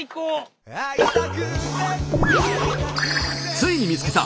ついに見つけた！